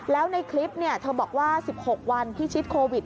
แล้วในคลิปเธอบอกว่า๑๖วันพิชิตโควิด